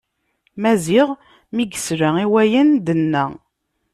Maziɣ mi yesla i wayen d-tenna.